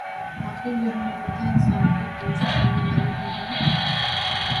آخر یہاں مردہ انسانوں کے گوشت کھانے والے بھی ہیں۔